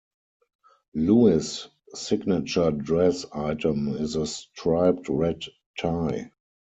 Lewis' signature dress item is a striped red tie.